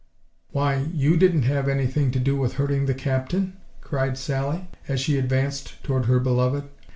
"Why, you didn't have any thing to do with hurting the captain?" cried Sally, as she advanced toward her beloved.